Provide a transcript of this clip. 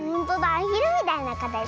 アヒルみたいなかたちだね。